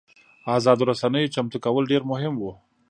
ازادو رسنیو چمتو کول ډېر مهم وو.